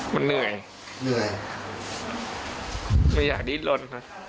มันเหนื่อยมันอยากดีดลน